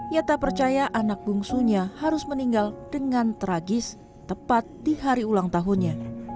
ia tak percaya anak bungsunya harus meninggal dengan tragis tepat di hari ulang tahunnya